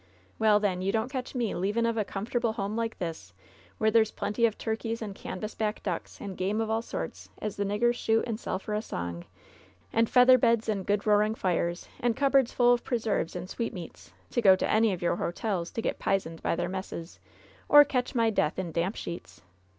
'' "Well, then, you don't catch me leavin' of a comfort able home like this, where there's plenty of turkeys, and canvas back ducks, and game of all sorts, as the niggers shoot and sell for a song, and feather beds, and good roaring fires, and cupboards full of preserves and sweet meats, to go to any of your hotels to get pizened by their messes, or catch my death in damp dieets.